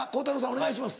お願いします。